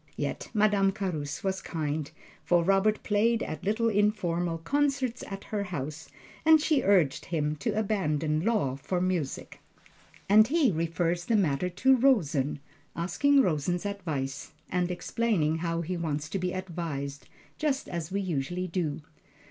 Yet Madame Carus was kind, for Robert played at little informal concerts at her house, and she urged him to abandon law for music; and he refers the matter to Rosen, asking Rosen's advice and explaining how he wants to be advised, just as we usually do.